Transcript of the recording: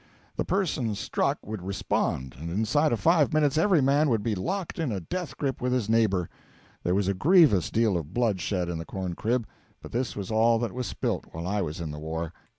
The persons struck would respond, and inside of five minutes every man would be locked in a death grip with his neighbour. There was a grievous deal of blood shed in the corn crib, but this was all that was spilt while I was in the war.